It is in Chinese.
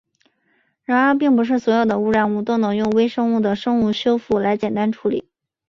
然而并不是所有的污染物都能用微生物的生物修复来简单处理。